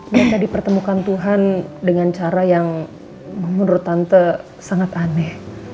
mereka dipertemukan tuhan dengan cara yang menurut tante sangat aneh